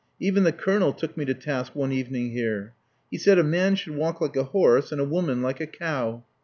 Even the Colonel took me too task one evening here^ He said a man should walk like a horse, and a woman like a cow.